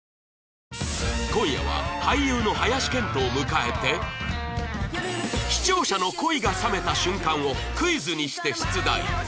今夜は俳優の林遣都を迎えて視聴者の恋が冷めた瞬間をクイズにして出題